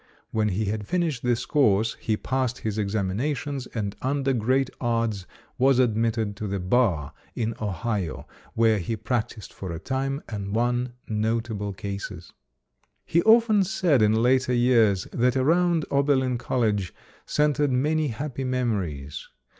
When he had finished this course, he passed his examina tions and under great odds was admitted to the bar in Ohio, where he practiced for a time and won notable cases. He often said, in later years, that around Ober lin College centered many happy memories.